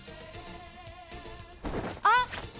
あっ！